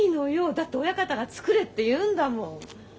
だって親方が作れって言うんだもん。